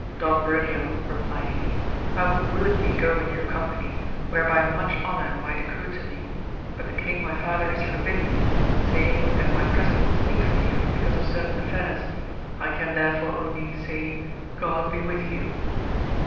Don Bruneo, re plied he, I would willingly go in your company, whereby much honour might accrue to me, but the king my father has forbidden it, saying that my presence is needful here, because of certain affairs ] I can therefore only say God be with you.